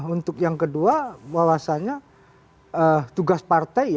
untuk yang kedua bahwasannya tugas partai